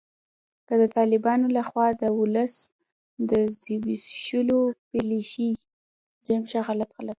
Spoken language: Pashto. که د طالبانو لخوا د ولس د زبیښولو پالسي